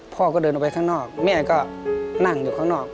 พ่อก็เดินออกไปข้างนอกแม่ก็นั่งอยู่ข้างนอก